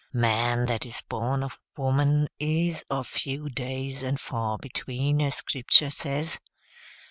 Man that is born of woman is of few days and far between, as Scriptur' says.